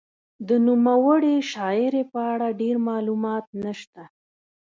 د نوموړې شاعرې په اړه ډېر معلومات نشته.